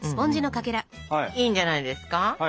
いいんじゃないですか？